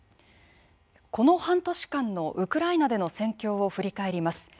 この半年間のウクライナでの戦況を振り返ります。